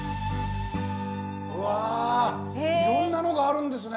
うわいろんなのがあるんですね！